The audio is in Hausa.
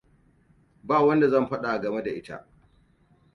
Ba wanda zan faɗawa game da ita.